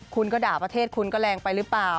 คุณก็ด่าประเทศคุณก็แรงไปหรือเปล่า